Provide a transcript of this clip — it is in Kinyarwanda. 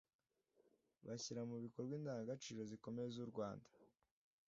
bashyira mu bikorwa indangagaciro zikomeye z’u Rwanda